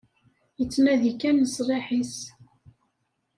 Yettnadi kan leṣlaḥ-is.